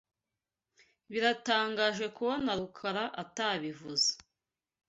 Biratangaje kubona Rukara atabivuze.